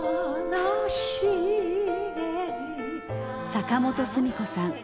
坂本スミ子さん。